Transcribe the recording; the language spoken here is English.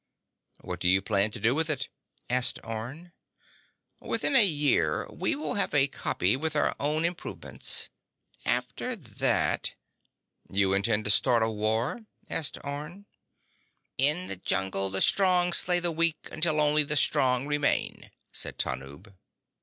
"What do you plan to do with it?" asked Orne. "Within a year we will have a copy with our own improvements. After that—" "You intend to start a war?" asked Orne. "In the jungle the strong slay the weak until only the strong remain," said Tanub.